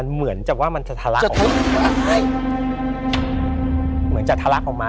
ก็เหมือนจะว่ามันจะทะละออกไป